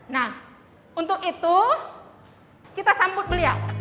nah untuk itu kita sambut beliau